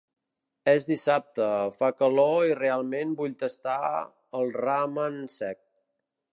És dissabte, fa calor i realment vull tastar el ramen sec.